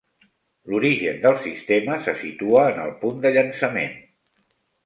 L'origen del sistema se situa en el punt de llançament.